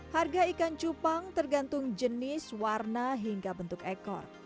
harga ikan cupang tergantung jenis warna hingga bentuk ekor